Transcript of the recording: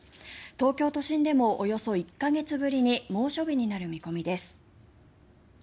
東京都心でもおよそ１か月ぶりに猛暑日になる見込みです。